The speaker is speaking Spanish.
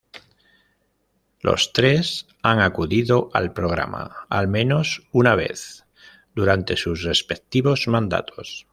Los tres han acudido al programa, al menos una vez, durante sus respectivos mandatos.